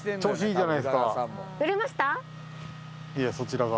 いやそちらが。